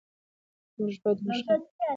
موږ باید ماشومانو ته د خپلې ژبې او ادب اهمیت وښیو